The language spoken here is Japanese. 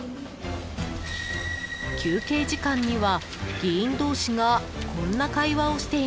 ［休憩時間には］